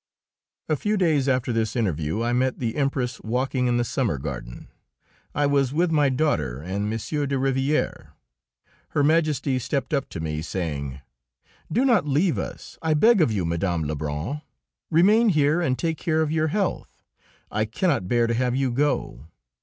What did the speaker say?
A few days after this interview I met the Empress walking in the Summer Garden. I was with my daughter and M. de Rivière. Her Majesty stepped up to me, saying: "Do not leave us, I beg of you, Mme. Lebrun. Remain here and take care of your health. I cannot bear to have you go."